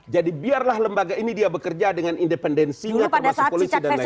biarlah lembaga ini dia bekerja dengan independensinya termasuk polisi dan lain lain